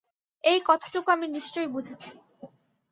এই কথাটুকু আমি নিশ্চয় বুঝেছি।